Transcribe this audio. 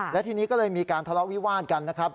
และทีนี้ก็เลยมีการทะเลาะวิวาดกันนะครับ